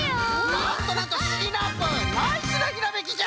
なんとなんとシナプーナイスなひらめきじゃ。